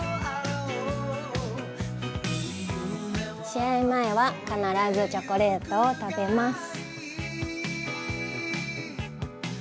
試合前は必ずチョコレートを食べます。